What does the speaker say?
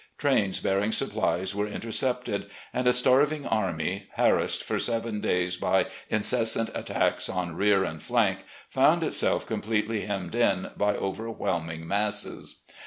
Trains bearing supplies were intercepted, and a starving army, harassed for seven days by incessant attacks on rear and flank, found itself completely hemmed in by overwhelming masses.